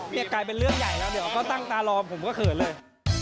กลายเป็นเรื่องใหญ่แล้วเดี๋ยวก็ตั้งตารอผมก็เขินเลย